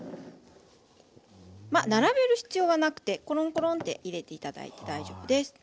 まあ並べる必要はなくてコロンコロンって入れて頂いて大丈夫です。